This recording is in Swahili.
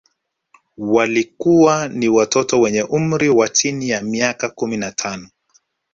Walikuwa ni watoto wenye umri wa chini ya miaka kumi na tano